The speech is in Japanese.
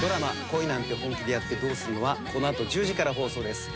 『恋なんて、本気でやってどうするの？』はこの後１０時から放送です。